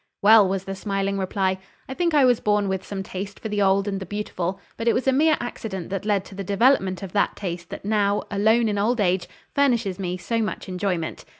"Well," was the smiling reply, "I think I was born with some taste for the old and the beautiful; but it was a mere accident that led to the development of that taste that now, alone in old age, furnishes me so much enjoyment.